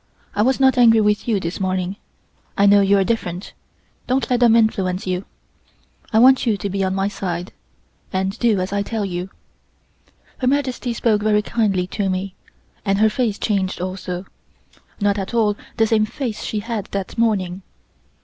I was not angry with you this morning. I know you are different. Don't let them influence you. I want you to be on my side, and do as I tell you." Her Majesty spoke very kindly to me, and her face changed also not at all the same face she had that morning.